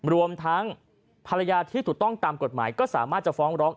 รวมทั้งภรรยาที่ถูกต้องตามกฎหมายก็สามารถจะฟ้องร้อง